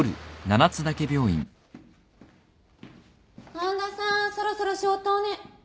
半田さんそろそろ消灯ね。